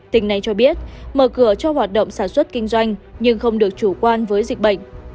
tỉnh này cho biết mở cửa cho hoạt động sản xuất kinh doanh nhưng không được chủ quan với dịch bệnh